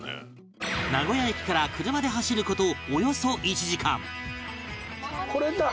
名古屋駅から車で走る事およそ１時間